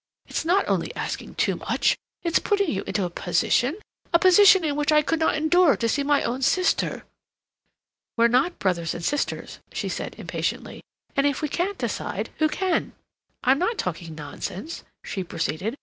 It's not only asking too much, it's putting you into a position—a position in which I could not endure to see my own sister." "We're not brothers and sisters," she said impatiently, "and if we can't decide, who can? I'm not talking nonsense," she proceeded.